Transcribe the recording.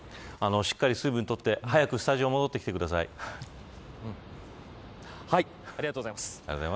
しっかり水分を取って早くスタジオにはい、ありがとうございます。